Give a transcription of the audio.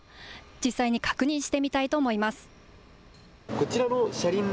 実際に確認してみたいと思います。